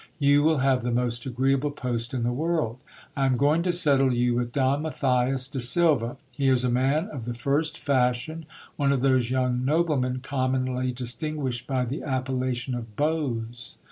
You will have the most agreeable post in the world. I am going to settle you with Don Matthias de Silva. He is a man of the first fashion, one of those young noblemen commonly distinguished by the appella tion of beaus.